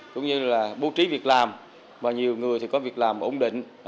cũng như là bố trí việc làm và nhiều người thì có việc làm ổn định